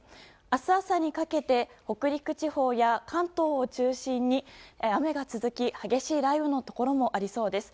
明日朝にかけて北陸地方や関東を中心に雨が続き激しい雷雨のところもありそうです。